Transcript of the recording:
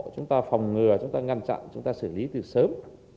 chúng ta phòng ngừa chúng ta ngăn chặn chúng ta xử lý từ sớm